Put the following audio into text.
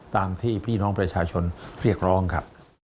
ตามที่พี่น้องประชาชนเรียกร้องครับ